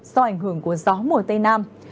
do ảnh hưởng của gió mùa tây nam